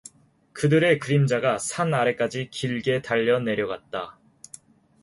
그들의 그림자가 산 아래까지 길게 달려 내려갔다.